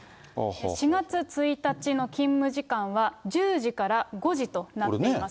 ４月１日の勤務時間は、１０時から５時となっています。